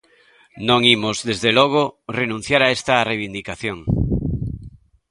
Non imos, desde logo, renunciar a esta reivindicación.